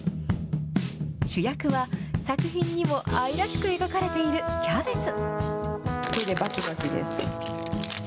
主役は、作品にも愛らしく描かれているキャベツ。